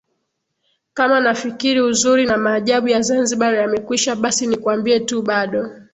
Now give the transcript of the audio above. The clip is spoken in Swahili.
Kama nafikiri uzuri na maajabu ya Zanzibar yamekwisha basi nikwambie tu bado